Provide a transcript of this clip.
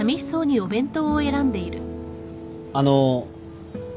あの